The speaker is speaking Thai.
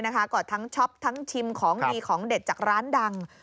ก็ทั้งช็อปทั้งชิมของดีของเด็ดจากร้านดัง